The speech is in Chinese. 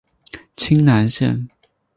清南线